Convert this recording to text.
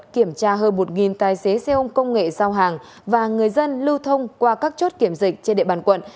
kiểm tra hơn một tài xế xe ôm công nghệ giao hàng và người dân lưu thông qua các chốt kiểm dịch trên địa bàn quận